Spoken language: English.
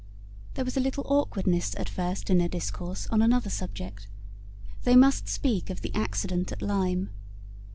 There was a little awkwardness at first in their discourse on another subject. They must speak of the accident at Lyme.